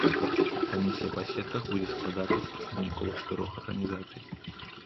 Камісія па сетках будзе складацца з прадстаўнікоў чатырох арганізацый.